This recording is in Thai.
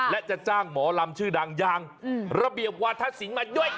และจะจ้างหมอลำชื่อดังอย่างระเบียบวาทศิลป์มาด้วย